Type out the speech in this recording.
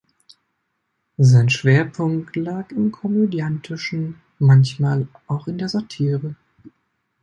Sein Schwerpunkt lag im Komödiantischen, manchmal auch in der Satire.